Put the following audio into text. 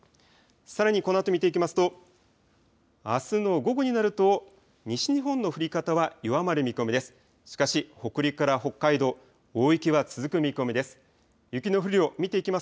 さらにこのあと見ていきますとあすの午後になると西日本の降り方は弱まる見込みです。